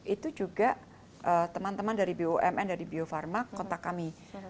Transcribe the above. itu juga teman teman dari bumn dari bio farma kontak kami